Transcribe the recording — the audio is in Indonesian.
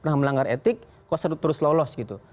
pernah melanggar etik kok terus lolos